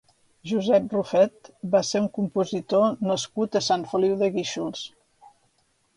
Josep Rufet va ser un compositor nascut a Sant Feliu de Guíxols.